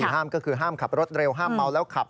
ห้ามก็คือห้ามขับรถเร็วห้ามเมาแล้วขับ